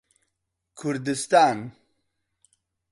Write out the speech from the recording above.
کوردستان